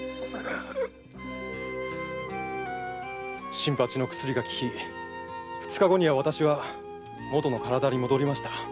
新八の薬が効き二日後には私はもとの体に戻りました。